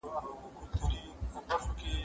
زه به مړۍ خوړلي وي!؟